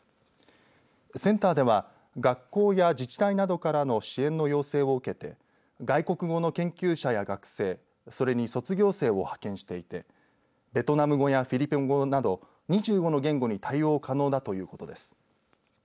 センターでは学校や自治体などからの支援の要請を受けて外国語の研究者や学生それに卒業生を派遣していてベトナム語やフィリピン語など２５の言語に対応可能だということです。